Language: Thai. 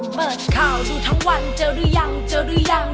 เปิดข่าวดูทั้งวันเจอหรือยังเจอหรือยัง